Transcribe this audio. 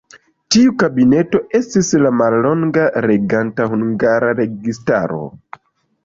Tiu kabineto estis la mallonga reganta hungara registaro.